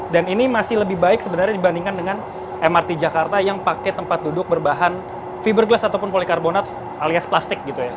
dan ini masih lebih baik sebenarnya dibandingkan dengan mrt jakarta yang pakai tempat duduk berbahan fiberglass ataupun polikarbonat alias plastik gitu ya